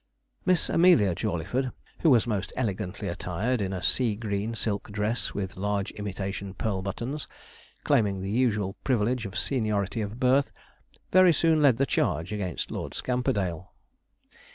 Miss Amelia Jawleyford, who was most elegantly attired in a sea green silk dress with large imitation pearl buttons, claiming the usual privilege of seniority of birth, very soon led the charge against Lord Scamperdale.